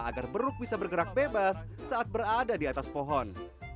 agar beruk bisa bergerak bebas saat berada di atas pohon